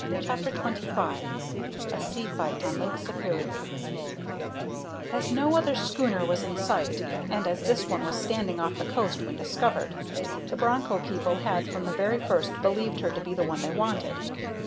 CHAPTER XXV A SEA FIGHT ON LAKE SUPERIOR As no other schooner was in sight, and as this one was standing off the coast when discovered, the Broncho people had from the very first believed her to be the one they wanted.